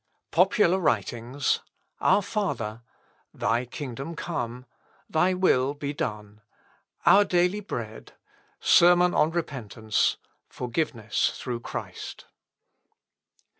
Popular Writings Our Father Thy Kingdom Come Thy Will be Done Our Daily Bread Sermon on Repentance Forgiveness through Christ.